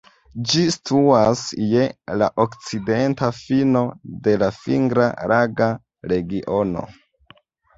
Ĝi situas je la okcidenta fino de la Fingra-Laga Regiono.